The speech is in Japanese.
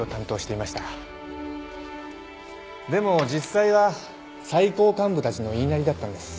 でも実際は最高幹部たちの言いなりだったんです。